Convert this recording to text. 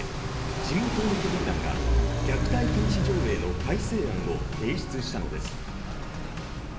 自民党の県議団が、虐待禁止条例の改正案を提出したのです。